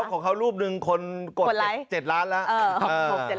ของเขารูปหนึ่งคนกด๗ล้านแล้ว